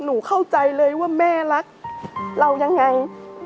เข้าใจเลยว่าแม่รักเรายังไง